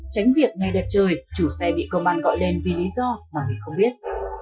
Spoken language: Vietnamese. tránh việc ngay đợt trời chủ xe bị công an gọi lên vì lý do mà mình không biết